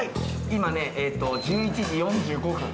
今ねえっと１１時４５分。